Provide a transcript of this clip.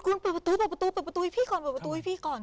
คุณเปิดประตูเปิดประตูเปิดประตูให้พี่ก่อนเปิดประตูให้พี่ก่อน